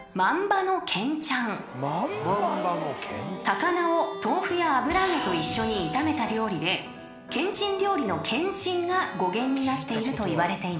［高菜を豆腐や油揚げと一緒に炒めた料理でけんちん料理の「けんちん」が語源になっているといわれています］